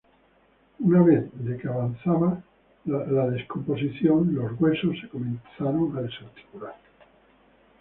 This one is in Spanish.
Una vez de que avanzaba la descomposición, los huesos se comenzaron a desarticular.